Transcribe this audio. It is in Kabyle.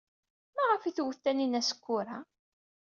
Maɣef ay twet Taninna Skura?